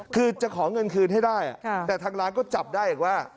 คือจะขอเงินคืนให้ได้แต่ทางร้านก็จับได้อีกว่า